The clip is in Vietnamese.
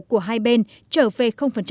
của hai bên trở về